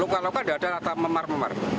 luka luka tidak ada atau memar memar